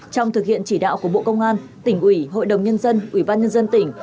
trong thực hiện chỉ đạo của bộ công an tỉnh ủy hội đồng nhân dân ủy ban nhân dân tỉnh